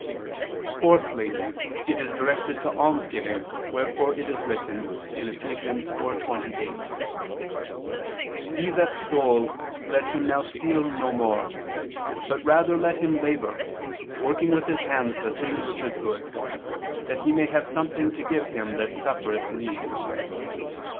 Fourthly, it is directed to almsgiving, wherefore it is written (Eph. 4:28): "He that stole, let him now steal no more; but rather let him labor, working with his hands the thing which is good, that he may have something to give to him that suffereth need."